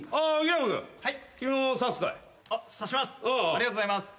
ありがとうございます。